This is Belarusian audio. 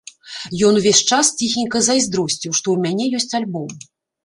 Ён увесь час ціхенька зайздросціў, што ў мяне ёсць альбом.